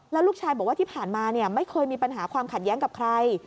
แล้วลูกชายบอกว่าที่ผ่านมาไม่เคยมีปัญหาความขัดแย้งกับใคร